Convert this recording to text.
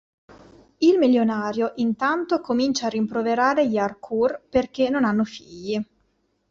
Il milionario, intanto, comincia a rimproverare gli Harcourt perché non hanno figli.